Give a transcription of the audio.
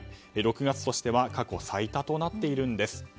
６月としては過去最多となっているんです。